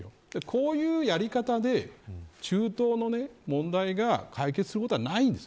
こういうやり方で中東の問題が解決することはないんです。